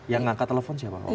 yang angkat telepon siapa